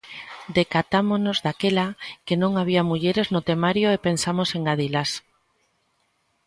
Decatámonos, daquela, que non había mulleres no temario e pensamos engadilas.